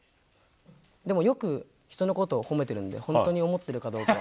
でもよく人のことを褒めてるんで、本当に思ってるかどうかは。